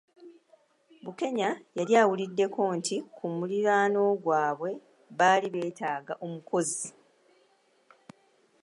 Bukenya yali awuliddeko nti ku muliraano gwabwe baali beetaaga omukozi.